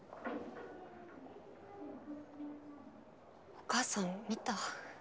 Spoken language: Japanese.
お母さん見た？